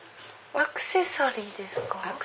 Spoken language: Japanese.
アクセサリーです。